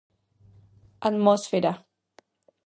Atmosfera.